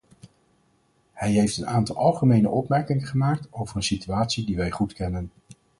Hij heeft een aantal algemene opmerkingen gemaakt over een situatie die wij goed kennen.